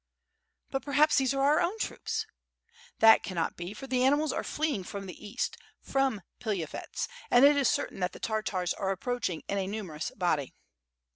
"But perhaps these are our own troops?" "That cannot be, for the animals are fleeing frcm the east, from Pilavyets, and it is certain that the Tartars are ap proaching in a numerous body."